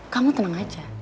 kamu tenang aja